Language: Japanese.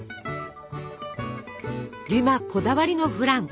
デュマこだわりのフラン。